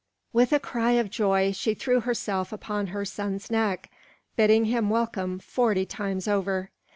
With a cry of joy she threw herself upon her son's neck, bidding him welcome forty times over.